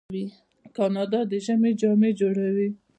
کاناډا د ژمي جامې جوړوي.